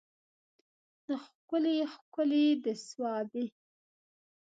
دا ښکلي ښکلي د صوابی